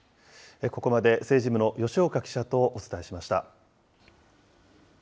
ここまで政治部の吉岡記者とお伝えしました。